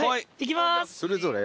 行きます